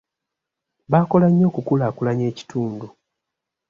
Baakola nnyo okukulaakulanya ekitundu.